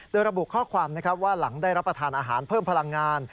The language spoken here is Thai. โดยระบุข้อความนะครับว่าหลังได้รับประทานอาหารเพิ่มพลังงาน